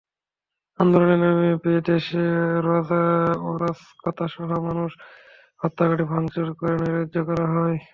আন্দোলনের নামে দেশে অরাজকতাসহ মানুষ হত্যা, গাড়ি ভাঙচুর করে নৈরাজ্য করা হয়।